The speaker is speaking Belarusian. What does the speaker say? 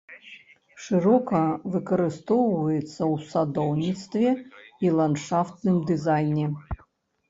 Шырока выкарыстоўваецца ў садоўніцтве і ландшафтным дызайне.